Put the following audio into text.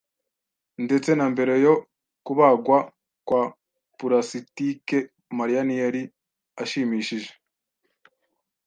Ndetse na mbere yo kubagwa kwa pulasitike, Mariya ntiyari ashimishije.